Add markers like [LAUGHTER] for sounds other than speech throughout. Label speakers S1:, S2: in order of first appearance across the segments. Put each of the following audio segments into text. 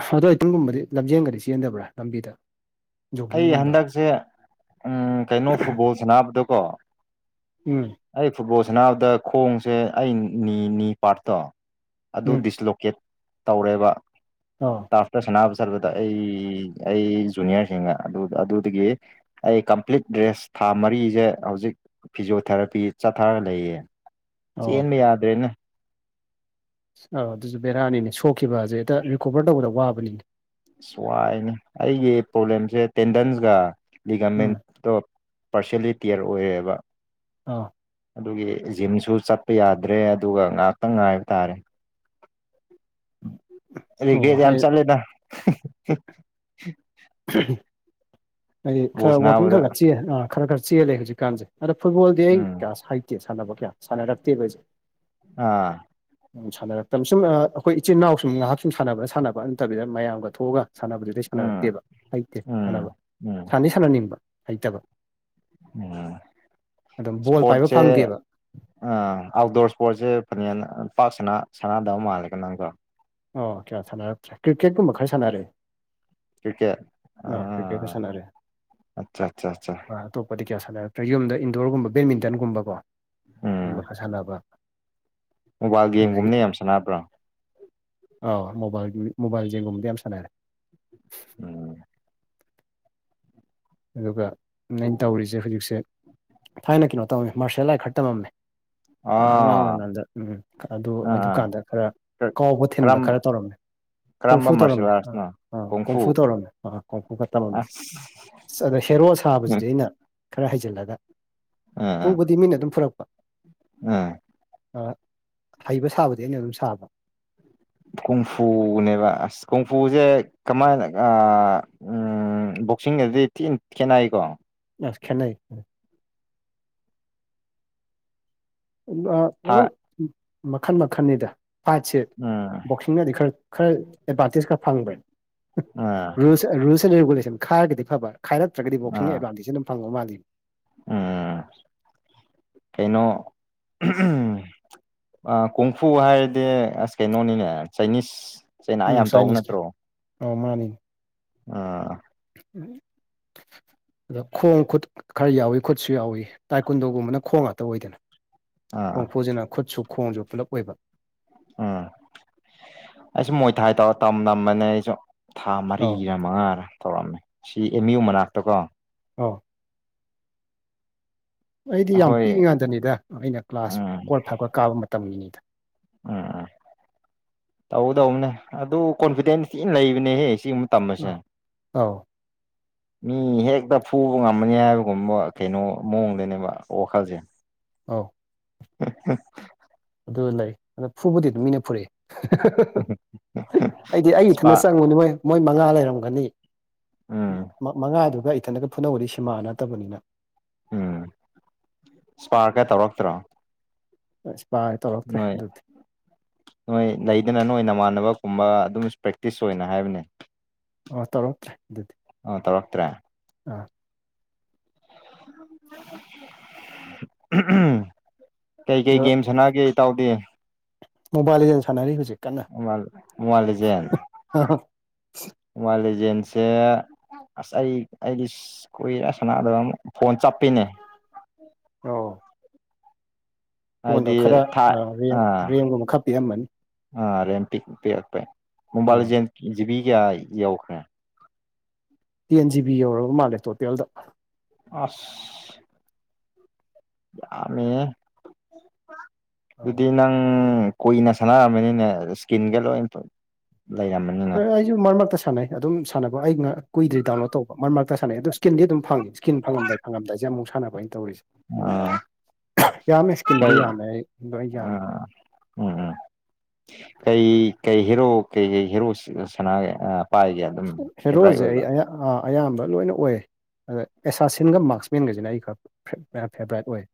S1: ꯑ ꯑꯗꯣ ꯑꯩꯇꯤꯡꯒꯨꯝꯕꯗꯤ ꯂꯝꯖꯦꯟꯒꯗꯤ ꯆꯦꯟꯗꯕ꯭ꯔꯥ ꯂꯝꯕꯤꯗ
S2: ꯑꯩ
S1: ꯖꯣꯒꯤꯡꯒꯨꯝꯕ
S2: ꯍꯟꯗꯛꯁꯦ ꯎꯝ ꯀꯩꯅꯣ ꯐꯨꯠꯕꯣꯜ ꯁꯥꯟꯅꯕꯗꯣ ꯀꯣ
S1: ꯎꯝ
S2: ꯑꯩ ꯐꯨꯠꯕꯣꯜ ꯁꯅꯥꯅꯕꯗ ꯈꯣꯡꯁꯦ ꯑꯩ ꯅꯤꯅꯤ ꯄꯥꯔꯠꯇꯣ ꯑꯗꯨ
S1: ꯎꯝ
S2: ꯗꯤꯁꯂꯣꯀꯦꯠ ꯇꯧꯔꯦꯕ
S1: ꯑꯥꯎ
S2: ꯏꯁꯇꯥꯐꯇ ꯁꯥꯟꯅꯕ ꯆꯠꯄꯗ ꯑꯩ ꯑꯩ ꯖꯨꯅꯤꯌꯔꯁꯤꯡ ꯑꯗꯨ ꯑꯗꯨꯗꯒꯤ ꯑꯩ ꯀꯝꯄ꯭ꯂꯤꯠ ꯔꯦꯁ ꯊꯥ ꯃꯔꯤꯁꯦ ꯍꯧꯖꯤꯛ ꯐꯤꯖꯣꯊꯦꯔꯥꯄꯤ ꯆꯠꯊꯔꯒ ꯂꯩꯌꯦ
S1: ꯑꯧ
S2: ꯆꯦꯟꯕ ꯌꯥꯗ꯭ꯔꯦꯅꯦ
S1: ꯑꯧ ꯑꯗꯨꯁꯨ ꯕꯦꯔꯥꯅꯤꯅꯦ ꯁꯣꯛꯈꯤꯕ ꯍꯥꯢꯁꯦ ꯍꯦꯛꯇ ꯔꯤꯀꯣꯕꯥꯔ ꯇꯧꯕꯗ ꯋꯥꯕꯅꯤꯅꯦ
S2: ꯑꯁ ꯋꯥꯏꯅꯦ ꯑꯩꯒꯤ ꯄ꯭ꯔꯣꯕ꯭ꯂꯦꯝꯁꯦ ꯇꯦꯟꯗꯟꯁꯒ ꯂꯤꯒꯃꯦꯟ
S1: ꯎꯝ
S2: ꯑꯣ ꯄꯥꯔꯁꯅꯦꯜꯂꯤ ꯇꯤꯌꯔ ꯑꯣꯏꯌꯦꯕ
S1: ꯑꯥ
S2: ꯑꯗꯨꯒꯤ ꯖꯤꯝꯁꯨ ꯆꯠꯄ ꯌꯥꯗ꯭ꯔꯦ ꯑꯗꯨꯒ ꯉꯥꯏꯍꯥꯛꯇꯪ ꯉꯥꯏꯕ ꯇꯥꯔꯦ
S1: ꯑꯣ
S2: ꯑꯦꯒꯦꯠ ꯌꯥꯝ
S1: ꯑꯩ
S2: ꯆꯂꯦꯗ
S1: ꯍꯥꯏꯗꯤ
S2: ꯕꯣꯜ
S1: ꯈꯔ ꯋꯥꯋꯀꯤꯡ ꯈꯔ
S2: ꯁꯥꯟꯅꯕꯗ
S1: ꯈꯔ ꯆꯦꯂꯦ ꯑꯥ ꯈꯔ ꯈꯔ ꯆꯦꯜꯂꯦ ꯍꯧꯖꯤꯛꯀꯥꯟꯁꯦ ꯑꯗꯣ ꯐꯨꯠꯕꯣꯜꯗꯤ ꯑꯩ
S2: ꯎꯝ
S1: ꯀꯌꯥ ꯍꯩꯇꯦ ꯁꯥꯟꯅꯕ ꯀꯌꯥ ꯁꯥꯟꯅꯔꯛꯇꯦꯕ ꯑꯩꯁꯨ
S2: ꯑꯥ
S1: ꯎ ꯁꯥꯟꯅꯔꯛꯇ ꯁꯨꯝ ꯑꯩꯈꯣꯏ ꯏꯆꯤꯟꯜ ꯏꯅꯥꯎꯨꯝ ꯉꯥꯏꯍꯥꯛ ꯁꯨꯝ ꯁꯥꯟꯅꯕ꯭ꯔꯥ ꯁꯥꯟꯅꯕꯥ ꯅꯠꯇꯕꯤꯗ ꯃꯌꯥꯝꯒ ꯊꯣꯛꯑꯒ ꯁꯥꯟꯅꯕꯗꯨꯗꯩ
S2: ꯎꯝ
S1: ꯁꯥꯟꯅꯔꯛꯇꯦꯕ ꯍꯩꯇꯦ
S2: ꯎꯝ
S1: ꯁꯥꯟꯅꯕ
S2: ꯎꯝ
S1: ꯁꯥꯟꯗꯤ ꯁꯥꯟꯅꯅꯤꯡꯕ ꯍꯩꯇꯕ
S2: ꯎꯝ
S1: ꯑꯗꯨꯝ ꯕꯣꯜ ꯄꯥꯏꯕ ꯐꯪꯗꯦꯕ
S2: ꯑ ꯑꯥꯎꯠꯗꯣꯔ ꯏꯁꯄꯣꯔꯠꯁꯦ ꯐꯅꯦꯛ ꯄꯥꯛ ꯁ ꯁꯥꯟꯅꯗꯕ ꯃꯥꯜꯂꯦꯒ ꯅꯪꯗꯣ
S1: ꯑꯣ ꯀꯌꯥ ꯁꯥꯟꯅꯔꯛꯇꯔꯦ ꯀ꯭ꯔꯤꯀꯦꯠꯀꯨꯝꯕ ꯈꯔ ꯁꯥꯟꯅꯔꯛꯑꯦ ꯑꯥ ꯀ꯭ꯔꯤꯀꯦꯀ ꯁꯅꯔꯦ
S2: ꯑꯠꯆꯥ ꯑꯠꯆꯥ ꯑꯠꯆꯥ
S1: ꯑ ꯑꯇꯣꯞ ꯀꯣꯗꯤ ꯀꯌꯥ ꯁꯥꯟꯅꯔꯛꯇ꯭ꯔꯦ ꯌꯨꯝꯗ ꯏꯟꯗꯣꯔꯒꯨꯝꯕ ꯕꯦꯗꯃꯤꯟꯇꯟꯒꯨꯝꯕꯀꯣ
S2: ꯎꯝ
S1: ꯁꯤꯒꯨꯝꯕ ꯈꯔ ꯁꯥꯟꯅꯕ
S2: ꯃꯣꯕꯥꯏꯜ ꯒꯦꯝꯒꯨꯝꯕꯅꯦ ꯌꯥꯝ ꯁꯥꯟꯅꯕ꯭ꯔ
S1: ꯑ ꯃꯣꯕꯥꯏꯜꯒꯤ ꯃꯣꯕꯥꯏꯜ ꯂꯤꯖꯦꯟꯒꯨꯝꯕꯗꯤ ꯌꯥꯝ ꯁꯥꯟꯅꯔꯦ
S2: ꯎꯝ
S1: ꯑꯗꯨꯒ ꯅꯩꯅ ꯇꯧꯔꯤꯖꯦ ꯍꯧꯖꯤꯛꯁꯦ ꯊꯥꯏꯅ ꯀꯩꯅꯣ ꯇꯧꯔꯝꯃꯦ ꯃꯥꯔꯁꯤꯌꯦꯜ ꯑꯥꯔꯠ ꯈꯔ ꯇꯝꯃꯝꯃꯦ ꯑ ꯑꯉꯥꯡ
S2: ꯑꯥ
S1: ꯑꯣꯏꯔꯤꯉꯩꯗ ꯎꯝ ꯑꯗꯨ
S2: ꯑꯥ ꯑꯥ
S1: ꯑꯗꯨꯀꯥꯟꯗ ꯈꯔ ꯀꯥꯎꯕ ꯊꯤꯟꯕ
S2: ꯀꯔꯝ
S1: ꯈꯔ ꯇꯧꯔꯝꯃꯦ
S2: ꯀꯔꯝꯕ
S1: ꯀꯣꯡꯐꯨ
S2: ꯃꯥꯔꯁꯦꯜ
S1: ꯇꯧꯔꯝꯃꯦ ꯑꯥ
S2: ꯑꯥꯔꯠꯁꯅꯣ
S1: ꯑꯥ ꯀꯣꯡꯐꯨ ꯇꯧꯔꯝꯃꯦ ꯑꯥ ꯀꯣꯡꯐꯨ ꯈ ꯇꯝꯃꯝꯃꯦ
S2: ꯑꯁ
S1: ꯑꯗ ꯍꯦꯔꯣ
S2: ꯎꯝ
S1: ꯁꯥꯕꯁꯤꯗꯤ ꯑꯩꯅ ꯈꯔ ꯍꯩꯖꯤꯜꯂꯒ
S2: ꯑꯥ ꯑꯥ
S1: ꯐꯨꯕꯗꯤ ꯃꯤꯅ ꯑꯗꯨꯝ ꯐꯨꯔꯛꯄ
S2: ꯑꯥ
S1: ꯑꯥ ꯍꯩꯕ ꯁꯥꯕꯗꯤ ꯑꯩꯅ ꯑꯗꯨꯝ ꯁꯥꯕ
S2: ꯀꯨꯝꯐꯨꯅꯦꯕ ꯑꯁ ꯀꯨꯝꯐꯨꯖꯦ ꯀꯃꯥꯏꯅ ꯑꯥ ꯎꯝ ꯎꯝ ꯕꯣꯛꯁꯤꯡꯒꯗꯤ ꯊꯤꯅ ꯈꯦꯠꯅꯩꯀꯣ
S1: ꯑꯁ ꯈꯦꯠꯅꯩ ꯎꯝ ꯑ
S2: ꯊꯥ
S1: ꯑꯗꯨꯝ ꯃꯈꯜ ꯃꯈꯜꯅꯤꯗ ꯐꯥꯏꯠꯁꯦ
S2: ꯎꯝ
S1: ꯕꯣꯛꯁꯤꯡꯅꯗꯤ ꯈꯔ ꯈꯔ ꯑꯦꯠꯕꯟꯇꯦꯖ ꯈ ꯐꯪꯕꯅꯦ
S2: ꯑꯥ
S1: ꯔꯨꯜꯁ ꯔꯨꯜꯁ ꯑꯦꯟ ꯔꯤꯒꯨꯂꯦꯁꯟ ꯈꯔꯒꯗꯤꯐꯕ ꯈꯥꯏꯔꯛꯇ꯭ꯔꯒꯗꯤ ꯕꯣꯛꯁꯤꯡꯅ
S2: ꯑꯥ
S1: ꯑꯦꯗꯚꯥꯟꯇꯦꯖ ꯑꯗꯨꯝ ꯐꯪꯕ ꯃꯥꯜꯂꯤ
S2: ꯎꯝ ꯀꯩꯅꯣ ꯑꯥ ꯀꯣꯡꯐꯨ ꯍꯥꯏꯔꯗꯤ ꯑꯁ ꯀꯩꯅꯣꯅꯤꯅꯦ ꯆꯥꯏꯅꯤꯁ ꯆꯩꯅꯥ
S1: ꯎꯝ
S2: ꯌꯥꯝ ꯇꯧꯕ
S1: ꯆꯥꯏꯅꯤꯁꯀꯤ
S2: ꯅꯠꯇ꯭ꯔꯣ
S1: ꯑꯧ ꯃꯅꯤꯅꯦ
S2: ꯑꯥ
S1: ꯎꯝ ꯑꯗ ꯈꯣꯡ ꯈꯨꯠ ꯈꯔ ꯌꯥꯎꯋꯤ ꯈꯨꯠꯁꯨ ꯌꯥꯎꯋꯤ ꯇꯥꯏꯀꯨꯟꯗꯣꯒꯨꯝꯕꯅ ꯈꯣꯡ ꯉꯥꯛꯇ ꯑꯣꯏꯗꯅ
S2: ꯑꯥ
S1: ꯀꯣꯡꯐꯨꯁꯤꯅ ꯈꯨꯠꯁꯨ ꯈꯣꯡꯁꯨ ꯄꯨꯂꯞ ꯑꯣꯏꯕ
S2: ꯎꯝ ꯑꯩꯁꯨ ꯃꯣꯏ ꯊꯥꯏ ꯇꯧꯔ ꯇꯝ ꯅꯝꯕꯅꯦ ꯑꯩꯁꯨ ꯊꯥ
S1: ꯑꯧ
S2: ꯃꯔꯤꯒꯤꯔ ꯃꯉꯥꯔ ꯇꯧꯔꯝꯃꯦ ꯁꯤ ꯑꯦꯝ ꯌꯨ ꯃꯅꯥꯛꯇ ꯀꯣ
S1: ꯑꯥ ꯑꯩꯗꯤ ꯌꯥꯝ
S2: ꯑꯩꯈꯣꯏ
S1: ꯄꯤꯛꯏꯉꯩꯗꯅꯤꯗ ꯑꯩꯅ ꯀ꯭ꯂꯥꯁ
S2: ꯎꯝ
S1: ꯐꯣꯔ ꯐꯥꯏꯞ ꯀꯥꯕ ꯃꯇꯝꯒꯤꯅꯤꯗ
S2: ꯎꯝ ꯎꯝ ꯇꯧꯒꯗꯧꯅꯦ ꯑꯗꯨ ꯀꯣꯟꯐꯤꯗꯦꯟꯁ ꯊꯤꯟ ꯂꯩꯕꯅꯦꯍꯦ ꯁꯤ ꯇꯝꯕꯖꯦ
S1: ꯑꯧ
S2: ꯃꯤ ꯍꯦꯛꯇ ꯐꯨꯕ ꯉꯝꯃꯅꯤ ꯍꯥꯏꯕꯒꯨꯝꯕ ꯀꯩꯅꯣ ꯃꯑꯣꯡꯗꯅꯦꯕ ꯋꯥꯈꯜꯖꯦ
S1: ꯑꯧ
S2: [UNINTELLIGIBLE]
S1: ꯑꯗꯨ ꯂꯩ ꯑꯗꯣ ꯐꯨꯕꯗꯤ ꯑꯗꯨꯝ ꯃꯤꯅ ꯐꯨꯔꯛꯑꯦ ꯑꯩꯗꯤ ꯑꯩ ꯏꯊꯟ
S2: ꯏꯁꯄꯥ
S1: ꯆꯪꯕꯅꯦ ꯃꯣꯏ ꯃꯣꯏ ꯃꯉꯥ ꯂꯩꯔꯝꯒꯅꯤ
S2: ꯎꯝ
S1: ꯃꯛ ꯃꯉꯥꯗꯨꯒ ꯏꯊꯟꯗꯒ ꯐꯨꯅꯧꯋꯣꯗꯤ ꯁꯤꯃꯥ ꯅꯠꯇꯕꯅꯤꯅ
S2: ꯎꯝ ꯏꯁꯄꯥꯔꯀ ꯇꯧꯔꯛꯇ꯭ꯔꯣ
S1: ꯁꯄꯥꯥꯏ
S2: ꯅꯣꯏ ꯅꯣꯏ ꯂꯩꯗꯅ ꯅꯣꯏ ꯅꯃꯥꯟꯅꯕ ꯀꯨꯝꯕ ꯑꯗꯨꯝ ꯏꯁꯄꯦꯛꯇꯤꯁ ꯑꯣꯏꯅ ꯍꯥꯏꯕꯅꯦ
S1: ꯑꯣ ꯇꯧꯔꯛꯇ꯭ꯔꯦ ꯑꯗꯨꯗꯤ
S2: ꯑꯥ ꯇꯧꯔꯛꯇ꯭ꯔꯦ
S1: ꯑꯥ
S2: [UNINTELLIGIBLE] ꯀꯩ ꯀꯩ
S1: ꯑꯗꯣ
S2: ꯒꯦꯝ ꯁꯥꯟꯅꯒꯦ ꯏꯇꯥꯎꯗꯤ
S1: ꯃꯣꯕꯥꯏꯜ ꯂꯤꯖꯦꯟ ꯁꯥꯟꯅꯔꯤ ꯍꯧꯖꯤꯛ ꯀꯟꯅ
S2: ꯃꯣꯕꯥꯏꯜ ꯃꯣꯕꯥꯏꯜ ꯂꯤꯖꯦꯟ ꯃꯣꯕꯥꯏꯂꯤꯖꯦꯟꯁꯦ ꯑꯁ ꯑꯩ ꯑꯩꯗꯤ ꯀꯨꯏꯔꯦ ꯁꯟꯅꯥꯗꯕ ꯑꯃꯨꯛ ꯐꯣꯟ ꯆꯞꯄꯤꯅꯦ
S1: ꯑꯣ ꯐꯣꯟꯗꯣ
S2: ꯍꯥꯏꯗꯤ
S1: ꯈꯔ
S2: ꯊꯥ
S1: ꯑꯥ ꯔꯦꯝ
S2: ꯑꯥ
S1: ꯔꯦꯝꯒꯨꯝꯕ ꯈꯔ ꯄꯤꯑꯝꯃꯅꯤ
S2: ꯑꯥ ꯔꯦꯝ ꯄꯤꯛ ꯄꯤꯄꯦ ꯃꯣꯕꯥꯏꯜ
S1: ꯑꯥ
S2: ꯂꯤꯖꯦꯜ ꯖꯤꯕꯤ ꯀꯌꯥ ꯌꯧꯈ꯭ꯔꯦ
S1: ꯇꯦꯟ ꯖꯤ ꯕꯤ ꯌꯧꯔꯕ ꯃꯥꯜꯂꯦ ꯇꯣꯇꯦꯜꯗ
S2: ꯑꯁ ꯌꯥꯝꯃꯤꯍꯦ ꯑꯗꯨꯗꯤ ꯅꯪ ꯅꯪ ꯀꯨꯏꯅ ꯁꯥꯟꯅꯔꯝꯃꯅꯤꯅꯦ ꯏꯁꯀꯤꯟꯒ ꯂꯣꯏꯅ ꯂꯩꯔꯝꯃꯤ
S1: [UNINTELLIGIBLE] ꯃꯔꯛ ꯃꯔꯛꯇ ꯁꯥꯟꯅꯩ ꯑꯗꯨꯝ ꯁꯥꯅꯕ ꯑꯩ ꯀꯨꯏꯗ꯭ꯔꯤ ꯗꯥꯎꯟꯂꯣꯗ ꯇꯧꯕ ꯃꯔꯛ ꯃꯔꯛꯇ ꯁꯥꯟꯅꯩ ꯑꯗꯨ ꯁ꯭ꯀꯤꯟꯗꯤ ꯑꯗꯨꯝ ꯐꯪꯏ ꯁ꯭ꯀꯤꯟ ꯐꯪꯂꯝꯗꯥꯏ ꯐꯪꯉꯝꯗꯥꯏꯖꯦ ꯑꯃꯨꯛ ꯁꯥꯟꯅꯕ ꯑꯩꯅ ꯇꯧꯔꯤꯖꯦ
S2: ꯑꯥ
S1: ꯌꯥꯝꯃꯦ
S2: ꯀꯩ
S1: ꯏꯁꯀꯤꯟꯗꯤ ꯌꯥꯝꯃꯦ ꯑꯩ ꯂꯣꯏ ꯌꯥꯝꯃꯦ
S2: ꯑꯥ ꯎꯝ ꯎꯝ ꯀꯩ ꯀꯩ ꯍꯦꯔꯣ ꯀꯩ ꯀꯩ ꯍꯤꯔꯣ ꯁꯅꯥꯒꯦ ꯑꯥ ꯄꯥꯏꯒꯦ ꯑꯗꯨꯝ ꯐꯦꯚꯣꯔꯥꯏꯠ
S1: ꯍꯦꯔꯣꯖꯦ ꯑꯩ
S2: ꯑꯣꯏꯕ
S1: ꯑꯌꯥ ꯑꯥ ꯑꯌꯥꯝꯕ ꯂꯣꯏꯅ ꯑꯣꯏ ꯑꯗ ꯑꯦꯁꯥꯁꯤꯟꯒ ꯃꯥꯔꯁꯃꯦꯟꯒꯁꯤꯅ ꯑꯩ ꯈꯔ ꯐꯦ ꯐꯦꯕ꯭ꯔꯥꯏꯠ ꯑꯣꯏ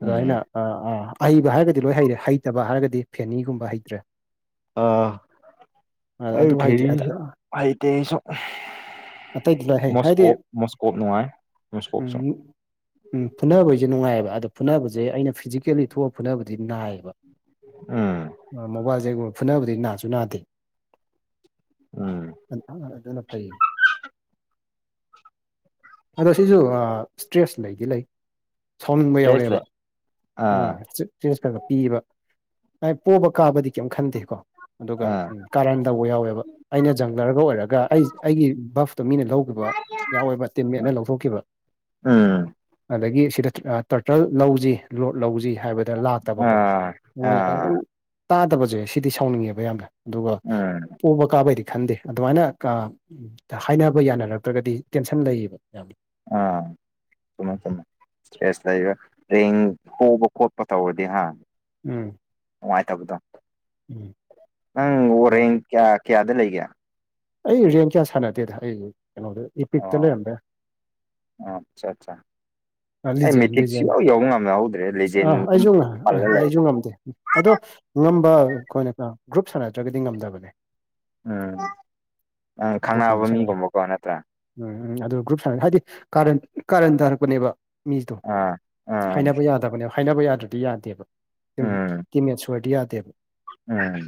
S1: ꯑꯗꯣ
S2: ꯎꯝ
S1: ꯑꯩꯅ ꯑꯥ ꯑꯥ ꯑꯍꯩꯕ ꯍꯥꯏꯔꯒꯗꯤ ꯂꯣꯏ ꯍꯩꯔꯦ ꯍꯩꯇꯕ ꯍꯥꯏꯔꯒꯗꯤ ꯐꯦꯅꯤꯒꯨꯝꯕ ꯍꯩꯇ꯭ꯔꯦ
S2: ꯑꯥ
S1: ꯑ-
S2: ꯑꯩ
S1: ꯑꯗꯨ ꯍꯩꯇꯦ
S2: ꯐꯦꯔꯤꯖꯦ
S1: ꯑꯗ-
S2: ꯍꯩꯇꯦ ꯑꯩꯖꯨ
S1: ꯑꯇꯩꯗꯤ ꯂꯣꯏ ꯍꯩ ꯍꯥꯏꯗꯤ
S2: ꯃꯣꯁꯀꯣꯞ ꯃꯣꯁꯀꯣꯞ ꯅꯨꯡꯉꯥꯏ ꯃꯣꯁꯀꯣꯞꯁꯨ
S1: ꯎꯝ ꯎꯝ ꯐꯨꯅꯕꯩꯖꯦ ꯅꯨꯡꯉꯥꯏꯑꯕ ꯑꯗꯣ ꯐꯨꯅꯕꯖꯦ ꯑꯩꯅ ꯐꯤꯖꯤꯀꯦꯜꯂꯤ ꯊꯣꯛꯑꯒ ꯐꯨꯅꯕꯗꯤ ꯅꯥꯏꯌꯦꯕ
S2: ꯎꯝ
S1: ꯃꯣꯕꯥꯏꯜꯂꯤꯖꯦꯜꯒꯨꯝꯕ ꯐꯨꯅꯕꯗꯤ ꯅꯥꯖꯨ ꯅꯥꯗꯦ
S2: ꯎꯝ
S1: ꯑꯗꯨꯅ ꯐꯩ ꯑꯗꯣ ꯁꯤꯖꯨ ꯁ꯭ꯇ꯭ꯔꯦꯁ ꯂꯩꯗꯤ ꯂꯩ ꯁꯥꯎꯅꯤꯡꯕ
S2: ꯏꯁꯇ꯭ꯔꯦꯁ
S1: ꯌꯥꯎꯔꯛꯑꯦꯕ
S2: ꯂꯩ
S1: ꯑꯥ ꯆꯥ ꯏꯁꯇ꯭ꯔꯦꯁ ꯈꯔꯒ ꯄꯤꯕ ꯍꯥꯏ ꯄꯣꯕ ꯀꯥꯕꯗꯤ ꯀꯔꯤꯝ ꯈꯟꯗꯦꯀꯣ ꯑꯗꯨꯒ
S2: ꯑꯥ
S1: ꯀꯔꯟ ꯇꯧꯕ ꯌꯥꯎꯋꯦꯕ ꯑꯩꯅ ꯖꯪꯒ꯭ꯂꯔꯒ ꯑꯣꯏꯔꯒ ꯑꯩ ꯑꯩꯒꯤ ꯚꯞꯇꯣ ꯃꯤꯅ ꯂꯧꯒꯤꯕ ꯌꯥꯎꯋꯦꯕ ꯇꯤꯝ ꯃꯠꯅ ꯂꯧꯊꯣꯛꯈꯤꯕ
S2: ꯎꯝ
S1: ꯑꯗꯒꯤ ꯁꯤꯗ ꯇꯥꯔꯇꯜ ꯂꯧꯖꯤ ꯂꯣꯠ ꯂꯧꯖꯤ ꯍꯥꯏꯕꯗ ꯂꯥꯛꯇꯕꯀꯣ
S2: ꯑꯥ
S1: ꯃꯣꯏꯅ
S2: ꯑꯥ
S1: ꯑꯗꯨꯝ ꯇꯥꯗꯕꯖꯦ ꯁꯤꯗꯤ ꯁꯥꯎꯅꯤꯡꯉꯦꯕ ꯌꯥꯝꯅ ꯑꯗꯨꯒ
S2: ꯎꯝ
S1: ꯄꯣꯕ ꯀꯥꯕꯩꯗꯤ ꯈꯟꯗꯦ ꯑꯗꯨꯃꯥꯏꯅ ꯀꯥ ꯍꯥꯏꯅꯕ ꯌꯥꯅꯔꯛꯇ꯭ꯔꯒꯗꯤ ꯇꯦꯟꯁꯟ ꯂꯩꯌꯦꯕ ꯌꯥꯝꯅ
S2: ꯑꯥ ꯆꯨꯝꯃꯦ ꯆꯨꯝꯃꯦ ꯑꯁꯇ꯭ꯁꯦꯁ ꯂꯩꯔ ꯍꯌꯦꯡ ꯐꯨꯕ ꯈꯣꯠꯄ ꯇꯧꯔꯗꯤ ꯍꯥ
S1: ꯎꯝ
S2: ꯅꯨꯡꯉꯥꯏꯇꯕꯗꯣ
S1: ꯎꯝ
S2: ꯅꯪ ꯋꯥꯔꯦꯟ ꯀꯌꯥ ꯀꯌꯥꯗ ꯂꯩꯒꯦ
S1: ꯑꯩ ꯔꯦꯡꯛ ꯀꯌꯥ ꯁꯥꯟꯅꯗꯦꯗ ꯑꯩ ꯀꯩꯅꯣꯗ ꯏꯄꯤꯛꯇ
S2: ꯑꯣ
S1: ꯂꯩꯔꯝꯕ ꯌꯥꯏ
S2: ꯑꯣ ꯑꯆꯥ ꯆꯥ ꯑꯩ
S1: ꯂꯤꯖꯦꯟ
S2: ꯃꯦꯊꯤꯛ
S1: ꯂꯤꯖꯦꯟ
S2: ꯁꯨꯛꯌꯧ ꯌꯧꯕ ꯉꯝꯍꯧꯗ꯭ꯔꯦ ꯂꯦꯖꯦꯟ
S1: ꯑꯥ
S2: ꯑꯗꯨꯝ
S1: ꯑꯩꯁꯨ ꯉ-
S2: ꯄꯜꯂ
S1: ꯑꯩ-
S2: ꯂꯩꯔꯦ
S1: ꯑꯩꯁꯨ ꯉꯝꯗꯦ ꯑꯗꯣ ꯉꯝꯕ ꯑꯩꯈꯣꯏꯅꯀ ꯒ꯭ꯔꯨꯞ ꯁꯥꯟꯅꯗ꯭ꯔꯒꯗꯤ ꯉꯝꯗꯕꯅꯦ
S2: ꯎꯝ ꯑꯥ ꯈꯪꯅꯕ
S1: ꯒ꯭ꯔꯨꯞꯀꯨꯝꯕ ꯁꯥꯟꯅ
S2: ꯃꯤꯒꯨꯝꯕꯀꯣ ꯅꯠꯇ꯭ꯔꯥ
S1: ꯎꯝ ꯎꯝ ꯑꯗꯨ ꯒ꯭ꯔꯨꯞ ꯁꯟꯅ ꯍꯥꯏꯗꯤ ꯀꯥꯔꯟ ꯀꯥꯔꯟ ꯇꯥꯔꯛꯄꯅꯦꯕ ꯃꯤꯖꯗꯣ
S2: ꯑꯥ ꯑꯥ
S1: ꯍꯥꯏꯅꯕ ꯌꯥꯗꯕꯅꯦ ꯍꯥꯏꯅꯕ ꯌꯥꯗ꯭ꯔꯗꯤ ꯌꯥꯗꯦꯕ ꯑꯗꯨꯨꯝ ꯇꯤꯝꯃꯦꯠ ꯁꯣꯏꯔꯗꯤ ꯌꯥꯗꯦꯕ
S2: ꯑꯥꯝ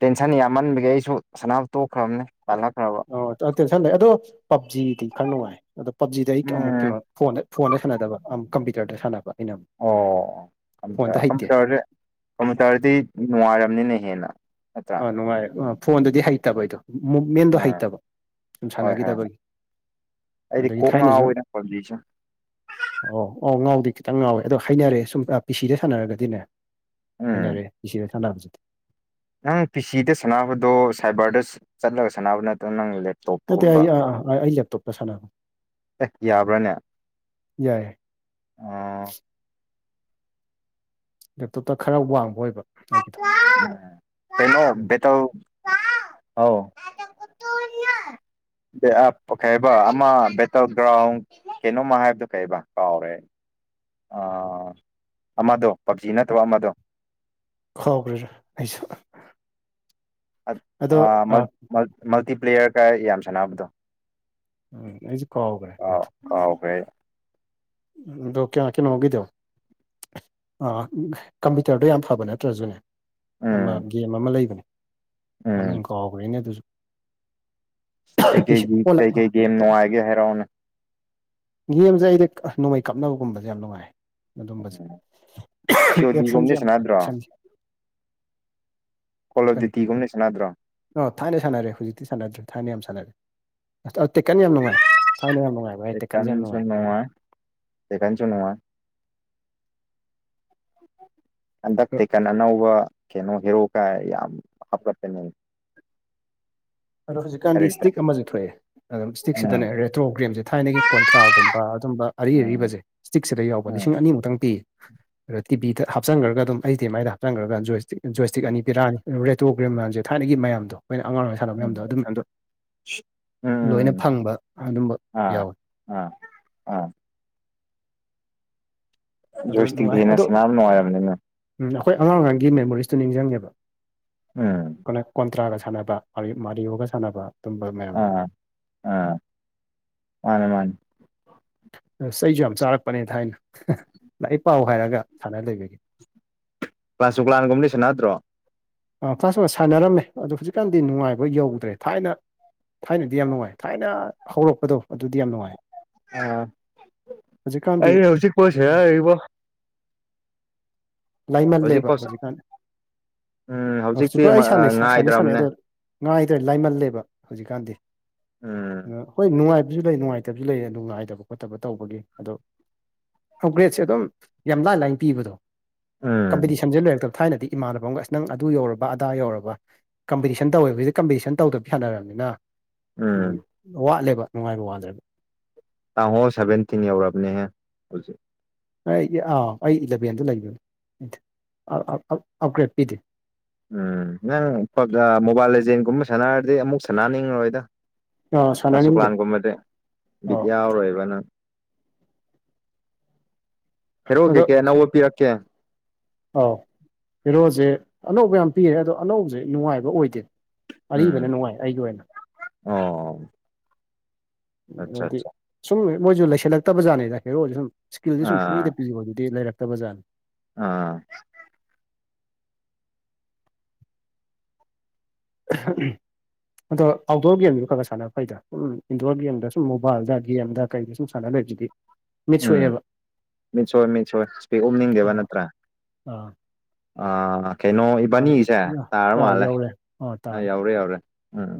S2: ꯇꯦꯟꯁꯟ ꯌꯥꯝꯃꯟꯕꯒꯤ ꯑꯩꯁꯨ ꯁꯅꯥꯕ ꯇꯣꯛꯈ꯭ꯔꯝꯅꯦ ꯇꯜꯂꯛꯈ꯭ꯔꯕ
S1: ꯑꯣ ꯇꯥ ꯇꯦꯟꯁꯟ ꯂꯩ ꯑꯗꯣ ꯄꯞꯖꯤꯗꯤ ꯈꯔ ꯅꯨꯡꯉꯥꯏ ꯑꯗꯣ ꯄꯞꯖꯤꯗ ꯑꯩ ꯑꯃꯨꯛ
S2: ꯎꯝ
S1: ꯀꯩꯅꯣ ꯐꯣꯟꯗ ꯐꯣꯟꯗ ꯁꯥꯟꯅꯗꯕ ꯑꯝ ꯀꯝꯄ꯭ꯌꯨꯇꯔꯗ ꯁꯥꯟꯅꯕ ꯑꯩꯅ ꯑꯃꯨꯛ
S2: ꯑꯣ
S1: ꯐꯣꯟꯗ
S2: ꯀꯝꯄꯨꯇꯔ
S1: ꯍꯩꯇꯦ
S2: ꯀꯝꯄꯨꯇꯔꯖꯦ ꯀꯝꯄꯨꯇꯔꯗꯤ ꯅ ꯅꯨꯡꯉꯥꯏꯔꯝꯅꯤꯅꯦ ꯍꯦꯟꯅ ꯅꯠꯇ꯭ꯔꯥ
S1: ꯑꯥ ꯅꯨꯡꯉꯥꯏꯔꯦ ꯑ ꯐꯣꯟꯗꯨꯗꯤ ꯍꯩꯇꯕ ꯑꯩꯗꯣ ꯃꯨꯞꯃꯦꯟꯗꯣ
S2: ꯑꯥ
S1: ꯍꯩꯇꯕ ꯁꯨꯝ
S2: ꯍꯣꯏ ꯍꯣꯏ ꯍꯣꯏ
S1: ꯁꯥꯟꯅꯒꯤꯗꯕꯒꯤ
S2: ꯑꯩꯗꯤ ꯀꯣꯛ ꯉꯥꯎ ꯋꯦꯅꯥ ꯄꯞꯖꯤꯁꯦ
S1: ꯑꯣ ꯑꯣ ꯉꯥꯎꯗꯤ ꯈꯤꯇꯪ ꯉꯥꯎꯋꯦ ꯑꯗꯣ ꯍꯩꯅꯔꯦ ꯁꯨꯝ ꯄꯤ ꯁꯤꯗ ꯁꯥꯟꯅꯔꯒꯗꯤꯅꯦ ꯍꯩꯅꯔꯦ
S2: ꯎꯝ
S1: ꯄꯤꯁꯤꯗ ꯁꯥꯟꯅꯕꯗꯨꯗꯤ
S2: ꯅꯪ ꯄꯤ ꯁꯤꯗ ꯁꯥꯟꯅꯕꯗꯣ ꯁꯥꯏꯕꯔꯗ ꯁꯁ ꯆꯠꯂꯒ ꯁꯥꯟꯅꯕ ꯅꯠꯇ꯭ꯔꯣ ꯅꯪ ꯂꯦꯞ__
S1: ꯅꯠꯇꯦ ꯑꯩ ꯑꯥ ꯑꯥ ꯑꯩ ꯂꯦꯞꯇꯣꯞꯇ ꯁꯥꯟꯕꯅꯤ
S2: ꯑꯦ ꯌꯥꯕ꯭ꯔꯥꯅꯦ
S1: ꯌꯥꯏ
S2: ꯑꯣ
S1: ꯂꯦꯞꯇꯣꯞꯇ ꯈꯔ ꯋꯥꯡꯕ ꯑꯣꯏꯕ ꯑꯩꯒꯤꯗꯣ
S2: ꯄꯥꯎ ꯄꯥꯎ ꯀꯩꯅꯣ ꯕꯦꯇꯜ ꯄꯥꯎ ꯍꯥꯎ ꯑꯗꯥ__ ꯀꯥ ꯆꯠꯇꯣꯏꯅꯣ ꯀꯩ ꯑꯥꯞ ꯀꯩꯕ ꯑꯃ ꯕꯦꯇꯜ ꯒ꯭ꯔꯥꯎꯟ ꯀꯩꯅꯣꯝꯃ ꯍꯥꯏꯕꯗꯣ ꯀꯩꯕ ꯀꯥꯎꯔꯦ ꯑꯩ ꯑꯥ ꯑꯃꯗꯣ ꯄꯞꯖꯤ ꯅꯠꯇꯕ ꯑꯃꯗꯣ
S1: ꯀꯥꯎꯒꯔꯦ ꯑꯩꯁꯨ
S2: ꯑꯠ ꯑꯥ ꯃꯜ ꯃꯜ ꯃꯜꯇꯤꯄ꯭ꯂꯦꯌꯔꯒ ꯌꯥꯝ ꯁꯥꯟꯅꯕꯗꯣ
S1: ꯎꯝ ꯑꯩꯖꯨ ꯀꯥꯎꯒ꯭ꯔꯦ
S2: ꯑꯥꯎ
S1: ꯑꯗꯣ
S2: ꯀꯥꯎꯈ꯭ꯔꯦ
S1: ꯎꯝ ꯗꯣ ꯀꯤꯌꯥ ꯀꯩꯅꯣꯒꯤꯗꯣ ꯑꯥ ꯎꯝ ꯀꯝꯄ꯭ꯌꯨꯇꯔꯗꯣ ꯌꯥꯝ ꯐꯕ ꯅꯠꯇ꯭ꯔꯖꯨꯅꯦ ꯑꯃ
S2: ꯎꯝ
S1: ꯒꯦꯝ ꯑꯃ ꯂꯩꯕꯅꯦ
S2: ꯎꯝ
S1: ꯃꯃꯤꯡ ꯀꯥꯎꯒ꯭ꯔꯦꯅꯦ ꯑꯗꯨꯖꯨ
S2: ꯀꯩ ꯀꯩꯒꯤ ꯀꯩ ꯀꯩ ꯒꯦꯝ ꯅꯨꯡꯉꯥꯏꯒꯦ ꯍꯥꯏꯔꯛꯑꯣꯅꯦ
S1: ꯒꯦꯝꯁꯦ ꯑꯩꯗꯤ ꯑꯥ ꯅꯣꯡꯃꯩ ꯀꯥꯞꯅꯕꯒꯨꯝꯕꯁꯦ ꯌꯥꯝ ꯅꯨꯡꯉꯥꯏ ꯑꯗꯨꯝꯕꯖꯦ
S2: ꯁꯤꯑꯣꯗꯤꯒꯨꯝꯗꯤ ꯁꯥꯟꯅꯗ꯭ꯔꯣ
S1: ꯑꯦꯛꯁꯟꯁꯦ
S2: ꯀꯣꯂꯔ ꯗꯤꯇꯤꯒꯨꯝꯗꯤ ꯁꯟꯅꯗ꯭ꯔꯣ
S1: ꯑꯣ ꯊꯥꯏꯅ ꯁꯥꯟꯅꯔꯦ ꯍꯧꯖꯤꯛꯇꯤ ꯁꯥꯟꯅꯗ꯭ꯔꯦ ꯊꯥꯏꯅ ꯌꯥꯝ ꯁꯥꯟꯅꯔꯦ ꯑꯁ ꯇꯦꯀꯟ ꯌꯥꯝ ꯅꯨꯡꯉꯥꯏ ꯊꯥꯏꯅ ꯌꯥꯝ ꯅꯨꯡꯉꯥꯏ ꯍꯥꯏ
S2: ꯇꯦꯀꯟ
S1: ꯇꯦꯛꯀꯟꯁꯦ ꯌꯥꯝ
S2: ꯁꯨ ꯅꯨꯉꯥꯏ ꯇꯦꯀꯟꯁꯨ ꯅꯨꯉꯥꯏ ꯍꯟꯗꯛ
S1: ꯑꯗꯣ
S2: ꯇꯦꯛꯀꯟ ꯑꯅꯧꯕ ꯀꯩꯅꯣ ꯍꯦꯔꯣ ꯀꯥꯏ ꯌꯥꯝ ꯍꯥꯞꯀꯠꯄꯅꯤꯅꯦ
S1: ꯑꯗꯣ ꯍꯧꯖꯤꯛꯀꯥꯟꯗꯤ
S2: ꯀꯔꯦꯛꯇ
S1: ꯏꯁꯇꯤꯛ ꯑꯃꯖꯨ ꯊꯣꯛꯑꯦ ꯑꯗꯨꯝ
S2: ꯎꯝ
S1: ꯏꯁꯇꯤꯛꯁꯤꯗꯅꯦ ꯔꯦꯇ꯭ꯔꯣꯒ꯭ꯔꯦꯝꯖꯦ ꯊꯥꯏꯅꯒꯤ ꯀꯣꯟꯇ꯭ꯔꯥꯒꯨꯝꯕ ꯑꯗꯨꯝꯕ ꯑꯔꯤ
S2: ꯎꯝ
S1: ꯑꯔꯤꯕꯖꯦ ꯁ꯭ꯇꯤꯛꯁꯤꯗ ꯌꯥꯎꯕ
S2: ꯎꯝ
S1: ꯂꯤꯁꯤꯡ ꯑꯅꯤꯃꯨꯛꯇꯪ ꯄꯤ ꯔꯥ ꯇꯤ ꯚꯤꯗ ꯍꯥꯞꯆꯟꯒ꯭ꯔꯒ ꯑꯗꯨꯝ ꯍꯩꯁ ꯗꯤ ꯑꯦꯝ ꯑꯥꯏꯗ ꯍꯥꯞꯆꯟꯒ꯭ꯔꯥꯒ ꯖꯣꯏꯁꯇꯤꯛ ꯖꯣꯏꯁꯇꯤꯛ ꯑꯅꯤ ꯄꯤꯔꯛꯑꯅꯤ ꯔꯦꯇꯣꯒ꯭ꯔꯦꯝ ꯃꯌꯥꯝꯁꯦ ꯊꯥꯏꯅꯒꯤ ꯃꯌꯥꯝꯗꯣ ꯑꯩꯈꯣꯏꯅ ꯑꯉꯥꯡ ꯑꯣꯏ ꯁꯥꯟꯅꯕ ꯃꯌꯥꯝꯗꯣ
S2: ꯎꯝ
S1: ꯑꯗꯨ ꯃꯌꯥꯝꯗꯣ ꯂꯣꯏꯅ
S2: ꯎꯝ
S1: ꯐꯪꯕ ꯑꯗꯨꯝꯕ
S2: ꯑꯥ
S1: ꯌꯥꯎꯋꯦ
S2: ꯑꯥ ꯑꯥ
S1: ꯑꯗꯨ
S2: ꯖꯣꯏꯁꯇꯤꯛ
S1: ꯅꯨꯡꯉꯥꯏ
S2: ꯗꯦꯅꯥ
S1: ꯑꯗꯣ
S2: ꯁꯥꯟꯅꯕ ꯅꯨꯡꯉꯥꯏꯔꯕꯅꯤꯅꯦ
S1: ꯎꯝ ꯑꯩꯈꯣꯏ ꯑꯉꯥꯡ ꯑꯣꯏꯔꯤꯉꯩꯒꯤ ꯃꯦꯃꯣꯔꯤꯁꯇꯣ ꯅꯤꯡꯁꯤꯡꯉꯦꯕ
S2: ꯎꯝ
S1: ꯑꯩꯈꯣꯏꯅ ꯀꯣꯟꯇ꯭ꯔꯥꯒ ꯁꯥꯟꯅꯕ ꯃꯥꯔꯤ ꯃꯥꯔꯤꯌꯣꯒ ꯁꯥꯟꯅꯕ ꯑꯗꯨꯝꯕ ꯃꯌꯥꯝꯗꯣ
S2: ꯑꯥ ꯑꯥ ꯃꯥꯟꯅꯦ ꯃꯥꯟꯅꯦ
S1: ꯑꯁ ꯑꯩꯁꯨ ꯌꯥꯝ ꯆꯥꯔꯛꯄꯅꯦ ꯊꯥꯏꯅ ꯂꯥꯏꯔꯤꯛ ꯄꯥꯎ ꯍꯥꯏꯔꯒ ꯁꯥꯟꯅ ꯂꯩꯕꯒꯤ
S2: ꯀ꯭ꯂꯥꯁ ꯑꯣꯐ ꯀꯂꯥꯟꯒꯨꯝꯕꯗꯤ ꯁꯥꯟꯅꯗ꯭ꯔꯣ
S1: ꯑꯥ ꯀ꯭ꯂꯥꯁ ꯑꯣ ꯁꯥꯟꯅꯔꯝꯃꯦ ꯑꯗꯣ ꯍꯧꯖꯤꯛꯀꯥꯟꯗꯤ ꯅꯨꯡꯉꯥꯏꯕ ꯌꯧꯗ꯭ꯔꯦ ꯊꯥꯏꯅ ꯊꯥꯏꯅꯗꯤ ꯌꯥꯝ ꯅꯨꯡꯉꯥꯏ ꯊꯥꯏꯅ ꯍꯧꯔꯛꯄꯗꯣ ꯑꯗꯨꯗꯤ ꯌꯥꯝ ꯅꯨꯡꯉꯥꯏ
S2: ꯑꯥ
S1: ꯍꯧꯖꯤꯛꯀꯥꯟꯗꯤ
S2: ꯑꯩꯗꯤ ꯍꯧꯖꯤꯛꯄꯣ ꯁꯥꯟꯅ ꯂꯩꯔꯤꯕꯣ
S1: ꯂꯥꯏꯃꯜꯂꯦꯕ
S2: ꯍꯧꯖꯤꯛꯐꯥꯎ
S1: ꯍꯧꯖꯤꯛꯀꯥꯟ
S2: ꯎꯝ ꯍꯧꯖꯤꯛꯇꯤ
S1: ꯍꯧꯖꯤꯛꯀꯥꯟ ꯑꯩ ꯁꯥꯟꯅꯩ ꯁꯥ ꯁꯥꯟꯅꯗꯤ ꯁꯥꯟꯅꯩ
S2: ꯉꯥꯏꯗ꯭ꯔꯕꯅꯦ
S1: ꯑꯗꯣ ꯉꯥꯏꯗ ꯂꯥꯏꯃꯜꯂꯦꯕ ꯍꯧꯖꯤꯛꯀꯥꯟꯗꯤ
S2: ꯎꯝ
S1: ꯑꯥ ꯍꯣꯏ ꯅꯨꯡꯉꯥꯏꯕꯁꯨ ꯂꯩ ꯅꯨꯡꯉꯥꯏꯇꯕꯁꯨ ꯂꯩ ꯑꯗꯨ ꯉꯥꯏꯗꯕ ꯈꯣꯠꯇꯕ ꯇꯧꯕꯒꯤ ꯑꯗꯣ ꯑꯞꯒ꯭ꯔꯦꯗꯁꯦ ꯑꯗꯨꯝ ꯌꯥꯝ ꯂꯥꯏ ꯂꯥꯏꯅ ꯄꯤꯕꯗꯣ
S2: ꯎꯝ
S1: ꯀꯝꯄꯤꯇꯤꯁꯟꯖꯦ ꯂꯩꯔꯛꯇꯕ ꯊꯥꯏꯅꯗꯤ ꯏꯃꯥꯟꯅꯕ ꯑꯃꯒ ꯑꯁ ꯅꯪ ꯑꯗꯨ ꯌꯧꯔꯕ ꯑꯗꯥ ꯌꯧꯔꯕ ꯀꯝꯄꯤꯇꯤꯁꯟ ꯇꯧꯋꯦꯕ ꯁꯤꯗ ꯀꯝꯄꯤꯇꯤꯁꯟ ꯇꯧꯗꯕꯤ ꯁꯥꯟꯅꯔꯕꯅꯤꯅ ꯎꯝ ꯋꯥꯠꯂꯦꯕ ꯅꯨꯡꯉꯥꯢꯕ ꯋꯥꯠꯂꯦꯕ
S2: ꯇꯥꯃꯣ ꯁꯚꯦꯟꯇꯤꯟ ꯌꯧꯔꯕꯅꯦꯍꯦ ꯍꯧꯖꯤꯛ
S1: ꯑꯩꯗꯤ ꯑꯥꯎ ꯑꯩ ꯏꯂꯚꯦꯟꯗ ꯂꯩꯕꯅꯤ ꯑꯥ ꯑꯥ ꯑꯞ ꯑꯞꯒ꯭ꯔꯦꯗ ꯄꯤꯗꯦ
S2: ꯎꯝ ꯅꯪ ꯄꯞ ꯖꯥ ꯃꯣꯕꯥꯢꯜ ꯂꯦꯖꯦꯟꯒꯨꯝꯕ ꯁꯥꯟꯅꯔꯗꯤ ꯑꯃꯨꯛ ꯁꯥꯟꯅꯅꯤꯡꯉꯔꯣꯢꯗ ꯀ꯭ꯂꯥꯁ ꯑꯣꯐ
S1: ꯁꯥꯟꯅꯅꯤꯡꯗꯦ
S2: ꯀ꯭ꯂꯥꯟꯒꯨꯝꯕꯗꯤ ꯕꯤꯠ
S1: ꯑꯧ
S2: ꯌꯥꯎꯔꯣꯢꯕ ꯅꯪ ꯍꯦꯔꯣ
S1: ꯑꯗꯣ
S2: ꯖꯦꯀꯦꯠ ꯑꯅꯧꯕ ꯄꯤꯔꯛꯀꯦ
S1: ꯑꯧ ꯍꯦꯔꯣꯖꯦ ꯑꯅꯧꯕ ꯌꯥꯝ ꯄꯤꯌꯦ ꯑꯗꯣ ꯑꯅꯧꯕꯖꯦ ꯅꯨꯡꯉꯥꯢꯕ ꯑꯣꯢꯗꯦ
S2: ꯎꯝ
S1: ꯑꯔꯤꯕꯅ ꯅꯨꯡꯉꯥꯢ ꯑꯩꯒꯤ ꯑꯣꯢꯅ
S2: ꯑꯣ ꯑꯠꯆꯥ
S1: [UNINTELLIGIBLE]
S2: ꯑꯠꯆꯥ
S1: ꯁꯨꯝ ꯃꯣꯢꯖꯨ ꯂꯩꯁꯜꯂꯛꯇꯕ ꯖꯥꯠꯅꯤꯗ ꯍꯦꯔꯣꯖꯦ ꯁꯨꯝ ꯁ꯭ꯀꯤꯜꯖꯦ ꯁꯨꯝ
S2: ꯑꯥ
S1: ꯄꯨꯡꯄꯤꯗ ꯄꯤꯕꯖꯤꯗꯤ ꯂꯩꯔꯛꯇꯕ ꯖꯥꯠꯅꯤ
S2: ꯑꯥ
S1: ꯑꯍꯥ ꯎꯝ ꯑꯗꯣ ꯑꯥꯎꯠꯗꯣꯔ ꯒꯦꯝꯖꯨ ꯈꯔ ꯈꯔ ꯁꯥꯟꯅꯕ ꯐꯩꯗꯥ ꯁꯨꯝ ꯏꯟꯗꯣꯔ ꯒꯦꯝꯗ ꯁꯨꯝ ꯃꯣꯕꯥꯢꯜꯗ ꯒꯦꯝꯗ ꯀꯩꯗ ꯁꯨꯝ ꯁꯥꯟꯅ ꯂꯩꯕꯖꯤꯗꯤ
S2: ꯎꯝ ꯃꯤꯠ ꯁꯣꯛꯑꯦ ꯃꯤꯠ ꯁꯣꯛꯑꯦ ꯁ꯭ꯄꯦꯛ ꯎꯞꯅꯤꯡꯗꯦꯕ
S1: ꯑꯥ
S2: ꯅꯠꯇ꯭ꯔꯥ
S1: ꯑꯥ
S2: ꯑꯥ ꯀꯩꯅꯣ ꯏꯕꯥꯟꯅꯤꯒꯤꯖꯦ
S1: ꯑꯥ
S2: ꯇꯥꯔ
S1: ꯑꯥ
S2: ꯃꯥꯜꯂꯦ
S1: ꯌꯧꯔꯦ
S2: ꯑꯥ
S1: ꯇꯥꯔꯦ
S2: ꯌꯧꯔꯦ ꯌꯧꯔꯦ ꯎꯝ ꯎꯝ